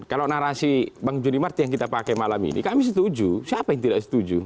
kalau narasi bang juni marti yang kita pakai malam ini kami setuju siapa yang tidak setuju